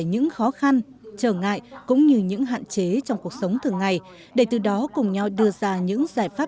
những khó khăn trở ngại cũng như những hạn chế trong cuộc sống thường ngày để từ đó cùng nhau đưa ra những giải pháp